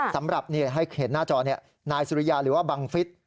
สำหรับให้เห็นหน้าจอนายสุริยาหรือว่าบังฟิศ